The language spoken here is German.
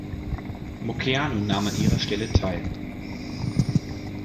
Moceanu nahm an ihrer Stelle teil.